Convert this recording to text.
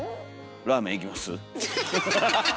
「ラーメン行きます？」。